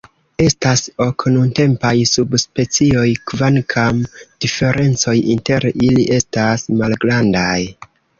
Estas ok nuntempaj subspecioj, kvankam diferencoj inter ili estas malgrandaj.